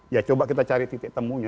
ya coba kita cari titik temunya